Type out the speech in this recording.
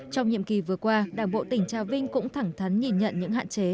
trong nhiệm kỳ vừa qua đảng bộ tỉnh trà vinh cũng thẳng thắn nhìn nhận những hạn chế